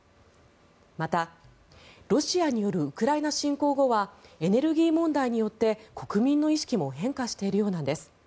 またロシアによるウクライナ侵攻後はエネルギー問題によって国民の意識も変化しているようなんです。